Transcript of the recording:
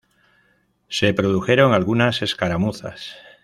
Se produjeron algunas escaramuzas.